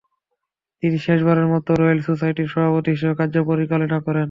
তিনি শেষবারের মত রয়েল সোসাইটির সভাপতি হিসেবে কার্য পরিচালনা করেন।